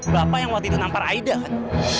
bapak yang waktu itu nampar aida kan